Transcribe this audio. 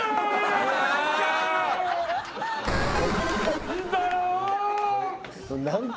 何だよ。